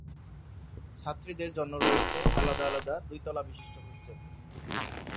ছাত্রীদের জন্য রয়েছে আলাদা দুই তলা বিশিষ্ট হোস্টেল।